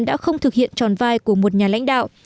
đã không thực hiện tròn vai của một nhà lãnh đạo